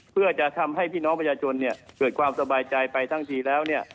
เพื่อจะทำให้พี่น้องประชาชนเกิดความสบายใจไปทั้งทีแล้ว